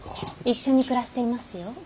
一緒に暮らしていますよ。